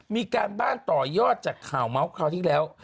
มีการบ้านต่อยอดจากข่าวเมาส์คราวที่แล้ว